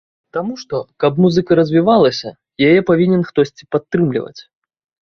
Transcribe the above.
Таму што, каб музыка развівалася, яе павінен хтосьці падтрымліваць.